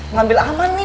ngambil aman nih